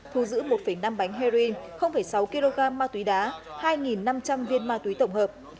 thu giữ một năm bánh heroin sáu kg ma túy đá hai năm trăm linh viên ma túy tổng hợp